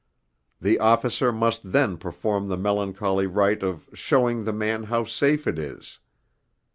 The officer must then perform the melancholy rite of 'showing the man how safe it is.'